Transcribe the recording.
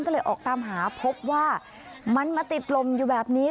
ก็เลยออกตามหาพบว่ามันมาติดลมอยู่แบบนี้